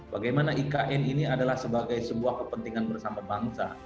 bagaimana ikn ini adalah sebagai sebuah kepentingan bersama bangsa